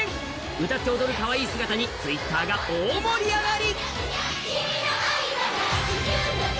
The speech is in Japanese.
歌って踊るかわいい姿にＴｗｉｔｔｅｒが大盛り上がり。